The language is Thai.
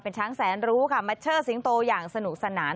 ช้างแสนรู้ค่ะมาเชิดสิงโตอย่างสนุกสนาน